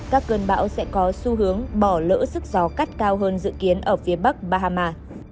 các cơn bão sẽ có xu hướng bỏ lỡ sức gió cắt cao hơn dự kiến ở phía bắc bahama